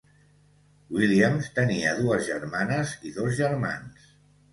Williams tenia dues germanes i dos germans.